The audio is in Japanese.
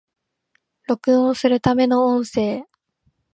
録音するための音声